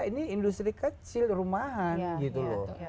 ini industri kecil rumahan gitu loh